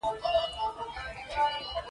مجاهد د نیکۍ لپاره راپاڅېږي.